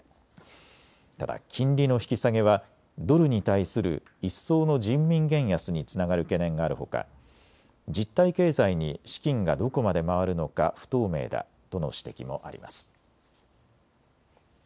ただ金利の引き下げはドルに対する一層の人民元安につながる懸念があるほか実体経済に資金がどこまで回るのか不透明だとの指摘もあります。